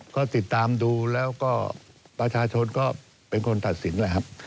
ก็ติดตามดูแล้วก็ประชาชนก็เป็นคนตัดสินแหละครับ